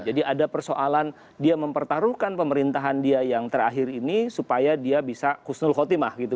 jadi ada persoalan dia mempertaruhkan pemerintahan dia yang terakhir ini supaya dia bisa khusnul khotimah gitu